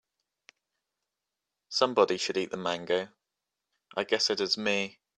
Somebody should eat the mango, I guess it is me.